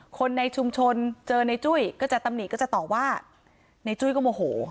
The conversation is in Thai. คนในชุมชนเจอในจุ้ยก็จะตำหนิก็จะต่อว่าในจุ้ยก็โมโห